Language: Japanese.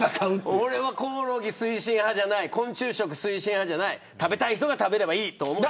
俺はコオロギ推進派じゃない昆虫食推進派じゃない食べたい人が食べればいいと思ってる。